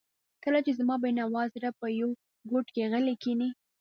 کله چې زما بېنوا زړه په یوه ګوټ کې غلی کښیني.